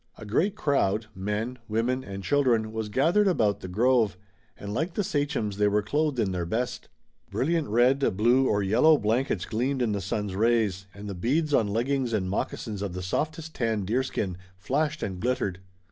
A great crowd, men, women and children, was gathered about the grove, and like the sachems they were clothed in their best. Brilliant red, blue or yellow blankets gleamed in the sun's rays, and the beads on leggings and moccasins of the softest tanned deerskin, flashed and glittered.